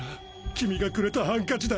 君がくれたハンカチだ！